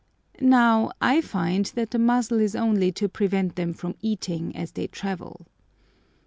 Now, I find that the muzzle is only to prevent them from eating as they travel.